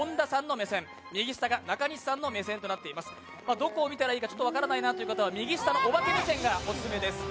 どこを見たらいいか分からないなという方は右下のオバケ目線がオススメです。